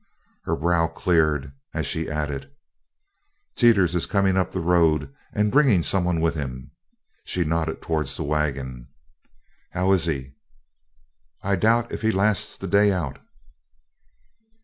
Her brow cleared as she added: "Teeters is coming up the road and bringing some one with him." She nodded towards the wagon, "How is he?" "I doubt if he lasts the day out."